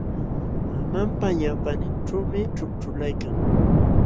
Mamanpa ñawpaqninćhuumi ćhukćhulaykan.